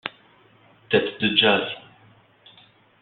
Têtes de Jazz!